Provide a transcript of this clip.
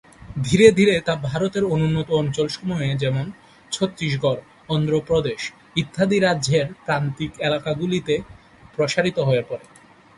ধীরে ধীরে তা ভারতের অনুন্নত অঞ্চলসমূহে যেমন:ছত্তিশগড়, অন্ধ্রপ্রদেশ, ইত্যাদি রাজ্যের প্রান্তিক এলাকাগুলিতে প্রসারিত হয়ে পড়ে।